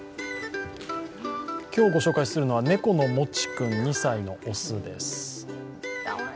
今日ご紹介するのは猫のもちくん２歳の雄です。